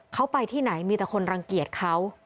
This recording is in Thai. เขาไปที่ไหนมีแต่คนรังเกียจเขา